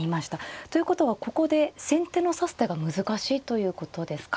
ということはここで先手の指す手が難しいということですか。